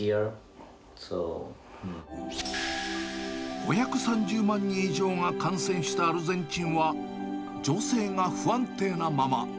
５３０万人以上が感染したアルゼンチンは、情勢が不安定なまま。